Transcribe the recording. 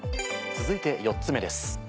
続いて４つ目です。